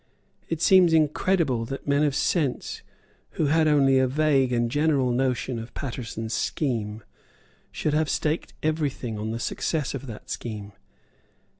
It seems incredible that men of sense, who had only a vague and general notion of Paterson's scheme, should have staked every thing on the success of that scheme.